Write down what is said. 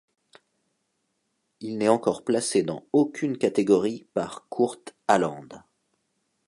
Il n’est encore placé dans aucune catégorie par Kurt Aland.